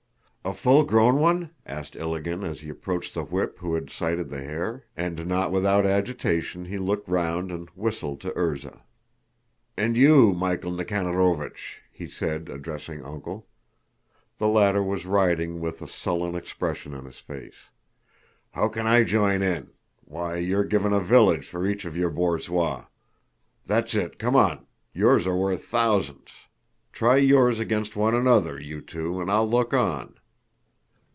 "A full grown one?" asked Ilágin as he approached the whip who had sighted the hare—and not without agitation he looked round and whistled to Erzá. "And you, Michael Nikanórovich?" he said, addressing "Uncle." The latter was riding with a sullen expression on his face. "How can I join in? Why, you've given a village for each of your borzois! That's it, come on! Yours are worth thousands. Try yours against one another, you two, and I'll look on!"